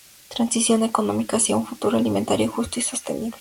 Transición económica hacia un futuro alimentario justo y sostenible.